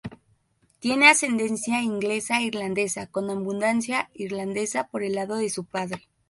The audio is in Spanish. Tiene ascendencia inglesa e irlandesa, con abundancia irlandesa por el lado de su padre.